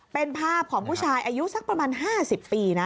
เป็นภาพของผู้ชายอายุสักประมาณ๕๐ปีนะ